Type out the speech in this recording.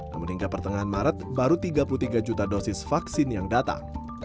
namun hingga pertengahan maret baru tiga puluh tiga juta dosis vaksin yang datang